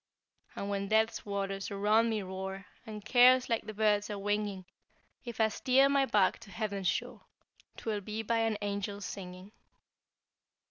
And when death's waters, around me roar And cares, like the birds, are winging: If I steer my bark to Heaven's shore 'Twill be by an angel's singing."